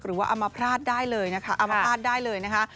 หรือว่าเอามาพลาดได้เลยนะคะเอามาพลาดได้เลยนะคะ